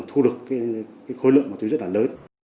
thu được khối lượng ma túy rất là lớn